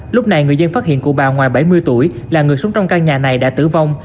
lúc này người dân phát hiện cụ bà ngoài bảy mươi tuổi là người sống trong căn nhà này đã tử vong